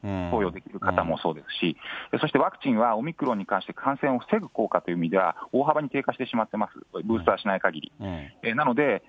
投与できる方もそうですし、そしてワクチンは、オミクロンに関して感染を防ぐという意味では、大幅に低下してしまっています、ブースターしないかぎり。